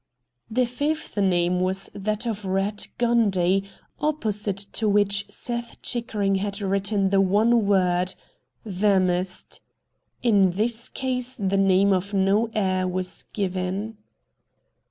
The fifth name was that of Ratt Gundy, opposite to which Seth Chickering had written the one word :' Vamosed.' In this case the name of no heir was given.